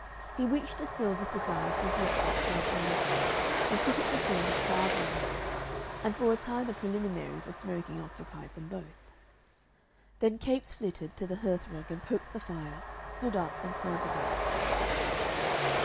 He reached a silver cigar and cigarette box from the sideboard and put it before his father in law, and for a time the preliminaries of smoking occupied them both. Then Capes flittered to the hearthrug and poked the fire, stood up, and turned about.